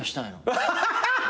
アハハハ！